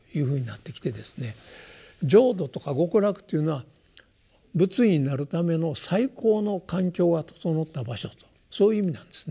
浄土とか極楽というのは仏になるための最高の環境が整った場所とそういう意味なんですね。